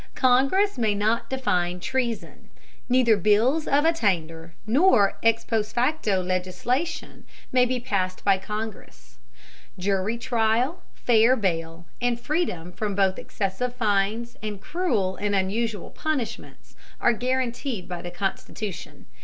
Congress may not define treason. Neither bills of attainder, nor ex post facto legislation may be passed by Congress. Jury trial, fair bail, and freedom from both excessive fines and cruel and unusual punishments are guaranteed by the Constitution.